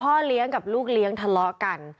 พ่อเลี้ยงกับลูกเลี้ยงทะเลาะกัน